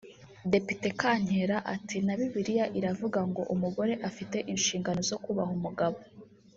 Depite Kankera ati “Na Bibiliya iravuga ngo umugore afite inshingano zo kubaha umugabo